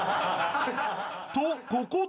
［とここで］